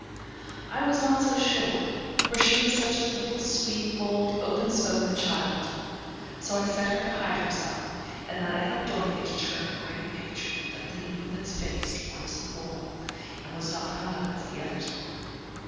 I was not so sure, for she was such a little sweet, bold, open spoken child, so I set her to hide herself; and then I helped Dorothy to turn a great picture, that leaned with its face towards the wall, and was not hung up as the others were.